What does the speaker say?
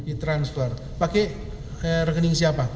ditransfer pak dindo rekening siapa